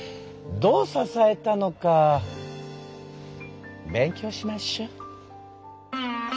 どう支えたのか勉強しましょ。